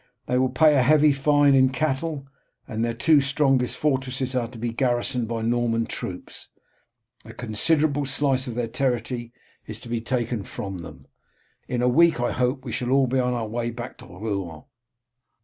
They will pay a heavy fine in cattle, and their two strongest fortresses are to be garrisoned by Norman troops. A considerable slice of their territory is to be taken from them. In a week I hope we shall all be on our way back to Rouen."